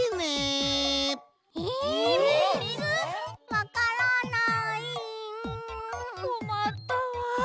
わからないうん。こまったわ。